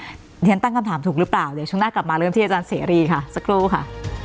เดี๋ยวฉันตั้งคำถามถูกหรือเปล่าเดี๋ยวช่วงหน้ากลับมาเริ่มที่อาจารย์เสรีค่ะสักครู่ค่ะ